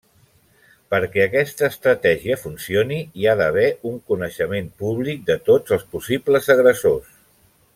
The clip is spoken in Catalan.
Perquè aquesta estratègia funcioni, hi ha d'haver un coneixement públic de tots els possibles agressors.